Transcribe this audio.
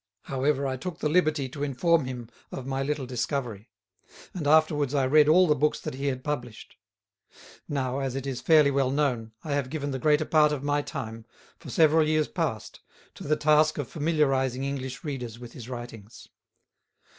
However, I took the liberty to inform him of my little discovery; and afterwards I read all the books that he had published. Now, as it is fairly well known, I have given the greater part of my time, for several years past, to the task of familiarising English readers with his writings.